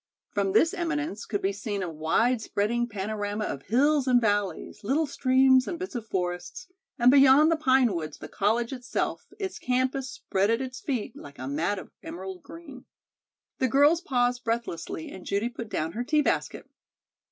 From this eminence could be seen a widespreading panorama of hills and valleys, little streams and bits of forests, and beyond the pine woods the college itself, its campus spread at its feet like a mat of emerald green. The girls paused breathlessly and Judy put down her tea basket.